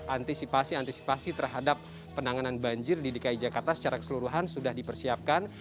antisipasi antisipasi terhadap penanganan banjir di dki jakarta secara keseluruhan sudah dipersiapkan